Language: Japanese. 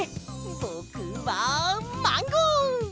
ぼくはマンゴー！